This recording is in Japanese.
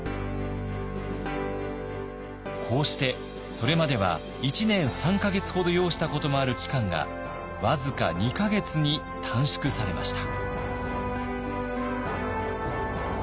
こうしてそれまでは１年３か月ほど要したこともある期間が僅か２か月に短縮されました。